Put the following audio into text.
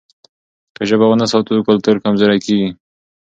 که ژبه ونه ساتو کلتور کمزوری کېږي.